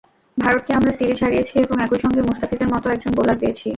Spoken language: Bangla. ভারতকে আমরা সিরিজ হারিয়েছি এবং একই সঙ্গে মুস্তাফিজের মতো একজন বোলার পেয়েছি।